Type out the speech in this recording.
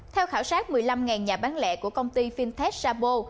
theo khảo sát một mươi năm nhà bán lẻ của công ty fintech sabo